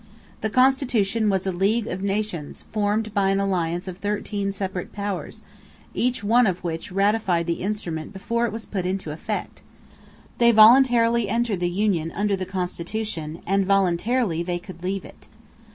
The Constitution was a "league of nations" formed by an alliance of thirteen separate powers, each one of which ratified the instrument before it was put into effect. They voluntarily entered the union under the Constitution and voluntarily they could leave it.